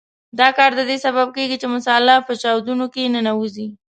دا کار د دې سبب کیږي چې مساله په چاودونو کې ننوځي.